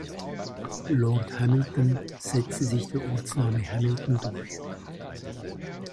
Lord Hamilton setzte sich der Ortsname "Hamilton" durch.